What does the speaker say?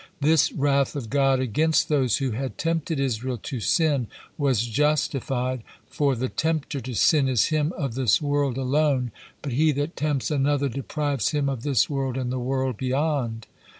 This wrath of God against those who had tempted Israel to sin was justified, for "the tempter to sin is him of this world alone, but he that tempts another deprives him of this world and the world beyond."